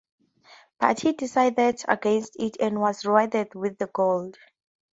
But he decided against it and was rewarded with the gold.